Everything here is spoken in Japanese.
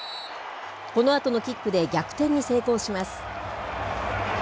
このあとのキックで逆転に成功します。